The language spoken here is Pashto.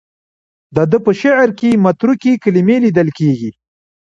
د ده په شعر کې متروکې کلمې لیدل کېږي.